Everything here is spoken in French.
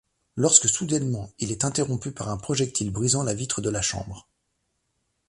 Lorsque soudainement, il est interrompu par un projectile brisant la vitre de la chambre.